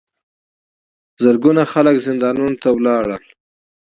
زرګونه خلک زندانونو ته لاړل.